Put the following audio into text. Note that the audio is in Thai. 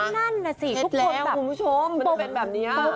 นั่นนะสิทุกคนแบบเช็ดแล้วคุณผู้ชมมันจะเป็นแบบนี้